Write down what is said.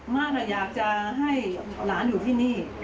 มั่นอยากจะให้หลานอยู่ที่นี่